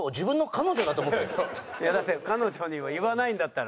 いやだって彼女には言わないんだったら。